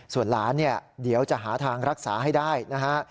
ส่วนหลานเนี่ยเดี๋ยวจะหาทางรักษาให้ได้นะฮะ